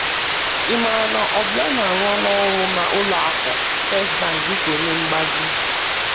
Ị mààrà na Obiano arụọla ọrụ n'ụlọakụ 'First Bank' dịka onye mgbàzi